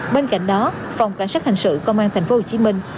bên cạnh đó phòng cảnh sát hành sự công an tp hồ chí minh